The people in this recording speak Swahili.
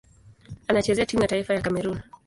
Anachezea timu ya taifa ya Kamerun.